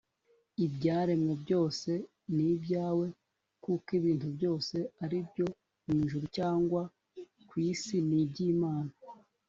ibyaremwe byose ni ibyawe kuko ibintu byose ari ibyo mu ijuru cyangwa ku isi ni iby’imana